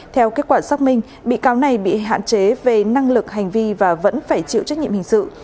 theo kết quả xác minh bị cáo này bị hạn chế về năng lực hành vi và vẫn phải chịu trách nhiệm hình sự